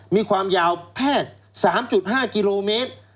มีความยาวแพทย์๓๕กิโลเมตร